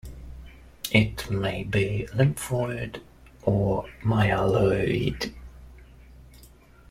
It may be lymphoid or myeloid.